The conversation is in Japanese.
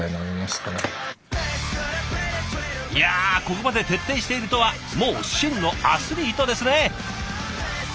いやここまで徹底しているとはもう真のアスリートですね！